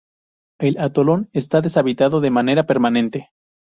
El atolón está deshabitado de manera permanente.